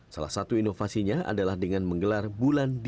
salah satu inovasinya adalah dengan menggelar bulan